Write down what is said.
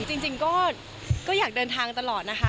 จริงก็อยากเดินทางตลอดนะคะ